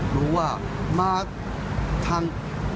รู้ว่ามาทาง